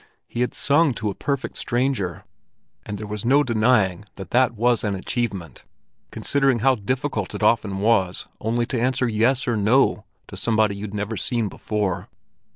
He had sung to a perfect stranger, and there was no denying that that was an achievement, considering how difficult it often was only to answer "yes" or "no" to somebody you'd never seen before.